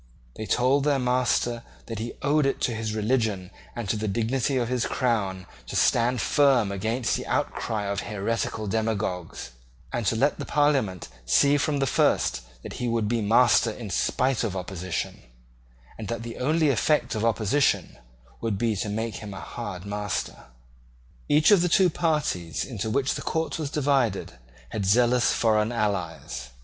They told their master that he owed it to his religion and to the dignity of his crown to stand firm against the outcry of heretical demagogues, and to let the Parliament see from the first that he would be master in spite of opposition, and that the only effect of opposition would be to make him a hard master. Each of the two parties into which the court was divided had zealous foreign allies.